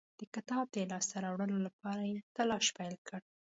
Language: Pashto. د کتاب د لاسته راوړلو لپاره یې تلاښ پیل کړ.